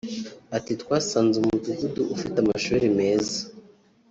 Ati “Twasanze umudugudu ufite amashuri meza